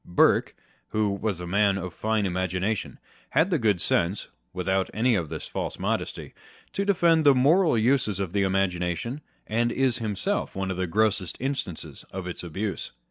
Burke, who was a man of fine imagination, had the good sense (without any of this false modesty) to defend the moral uses of the imagination, and is himself one of the grossest instances of its abuse.